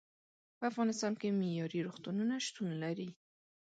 په افغانستان کې معیارې روغتونونه شتون لري.